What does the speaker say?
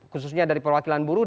khususnya dari perwakilan buruh